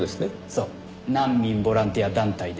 そう。難民ボランティア団体で。